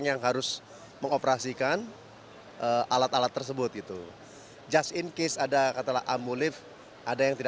yang paling kritikal tentunya yang pakai wheelchair